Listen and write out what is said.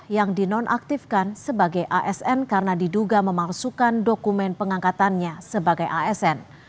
yang dinonaktifkan sebagai asn karena diduga memalsukan dokumen pengangkatannya sebagai asn